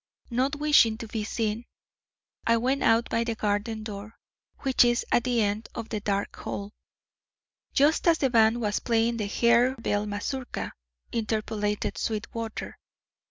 Not wishing to be seen, I went out by the garden door, which is at the end of the dark hall " "Just as the band was playing the Harebell mazurka," interpolated Sweetwater.